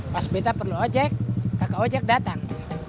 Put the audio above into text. pas pita perlu ojek kakak ojek datang